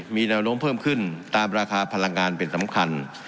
มีแนวโน้มเพิ่มขึ้นตามราคาพลังงานเป็นสำคัญ